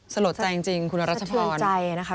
สะลดใจจริงจริงคุณรัชพรสะเทือนใจนะคะ